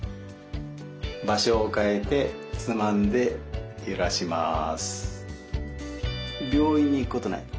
場所を変えてつまんでゆらします。